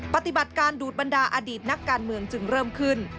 ปฏิบัติการดูดบรรดาอดีตนักการเมืองจึงเริ่มขึ้น